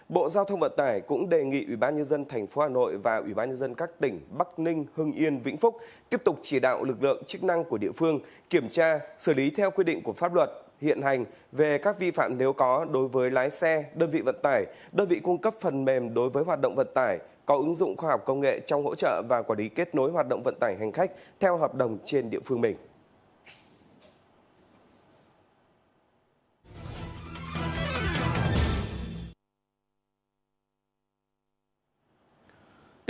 bộ giao thông vận tải cũng đề nghị ủy ban nhân dân tp hcm và ủy ban nhân dân các tỉnh bắc ninh hưng yên vĩnh phúc tiếp tục chỉ đạo lực lượng chức năng của địa phương kiểm tra xử lý theo quy định của pháp luật hiện hành về các vi phạm nếu có đối với lái xe đơn vị vận tải đơn vị cung cấp phần mềm đối với hoạt động vận tải có ứng dụng khoa học công nghệ trong hỗ trợ và quả lý kết nối hoạt động vận tải hành khách theo hợp đồng trên địa phương mình